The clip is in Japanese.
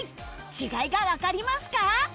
違いがわかりますか？